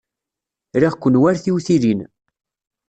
Riɣ-ken war tiwtilin.